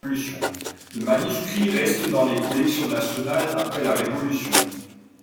Le manuscrit reste dans les collections nationales après la Révolution.